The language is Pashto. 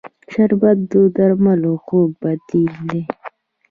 شربت د درملو خوږ بدیل دی